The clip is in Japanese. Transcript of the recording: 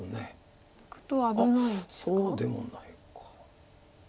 そうでもないか。